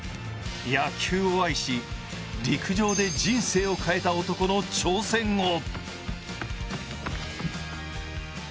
野球を愛し、陸上で人生を変えた男の挑戦を。